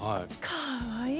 かわいい。